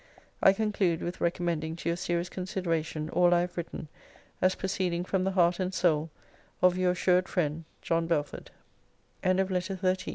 I conclude with recommending to your serious consideration all I have written, as proceeding from the heart and soul of Your assured friend, JOHN BELFORD LETTER XIV MR. LO